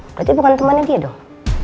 berarti bukan temannya dia dong